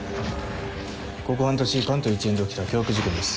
ここ半年関東一円で起きた凶悪事件です。